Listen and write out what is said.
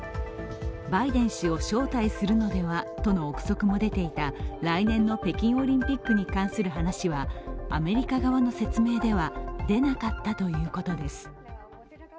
バイデン氏を招待するのではとの臆測も出ていた来年の北京オリンピックに関する話はアメリカ側の説明では、出なかったということです。